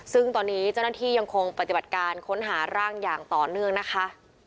ซึ่งตอนนี้เจ้าหน้าที่ยังคงปฏิบัติการค้นหาร่างอย่างต่อเนื่องนะคะ